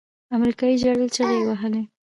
امريکايي ژړل چيغې يې وهلې.